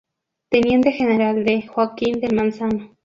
Teniente General D. Joaquín del Manzano.